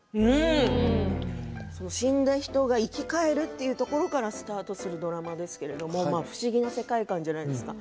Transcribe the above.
死んだ人が生き返るというところからスタートするドラマですが不思議な世界感じゃないですか